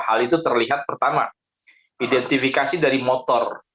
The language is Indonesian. hal itu terlihat pertama identifikasi dari motor